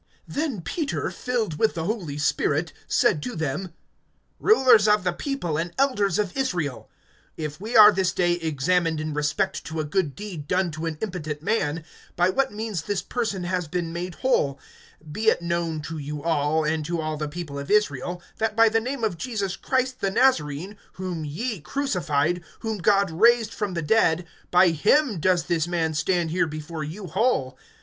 (8)Then Peter, filled with the Holy Spirit, said to them: Rulers of the people, and elders of Israel; (9)if we are this day examined in respect to a good deed done to an impotent man, by what means this person has been made whole; (10)be it known to you all, and to all the people of Israel, that by the name of Jesus Christ the Nazarene, whom ye crucified, whom God raised from the dead, by him does this man stand here before you whole.